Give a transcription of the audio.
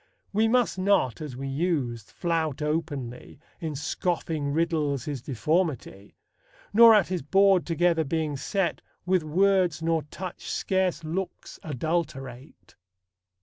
We must not, as we used, flout openly, In scoffing riddles, his deformity; Nor at his board together being set, With words nor touch scarce looks adulterate.